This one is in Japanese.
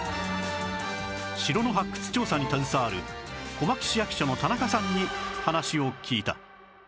城の発掘調査に携わる小牧市役所の田中さんに話を聞いた